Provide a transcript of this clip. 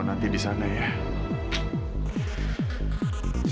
nanti disana ya